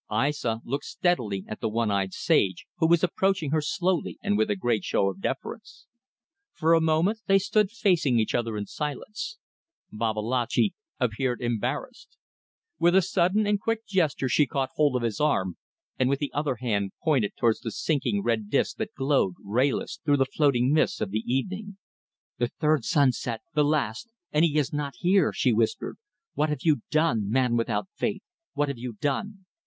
Aissa looked steadily at the one eyed sage, who was approaching her slowly and with a great show of deference. For a moment they stood facing each other in silence. Babalatchi appeared embarrassed. With a sudden and quick gesture she caught hold of his arm, and with the other hand pointed towards the sinking red disc that glowed, rayless, through the floating mists of the evening. "The third sunset! The last! And he is not here," she whispered; "what have you done, man without faith? What have you done?"